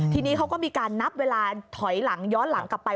ทีนี้เขาก็มีการนับเวลาถอยหลังย้อนหลังกลับไป